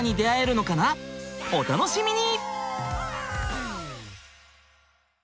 お楽しみに！